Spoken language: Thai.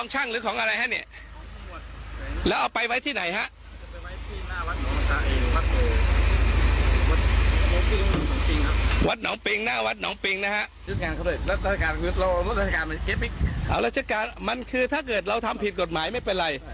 ราชการมันคือถ้าเกิดเราทำผิดกฎหมายไม่เป็นไร